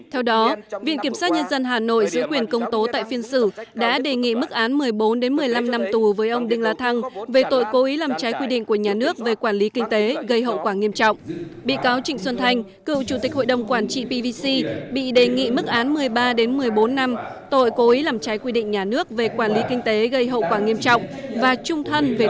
theo đó viện kiểm sát nhân dân hà nội giữ quyền công tố tại phiên xử đã đề nghị mức án một mươi bốn một mươi năm năm tù với ông đinh la thăng về tội cố ý làm trái quy định của nhà nước về quản lý kinh tế gây hậu quả nghiêm trọng